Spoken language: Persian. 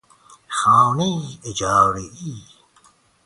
خانهی اجارهای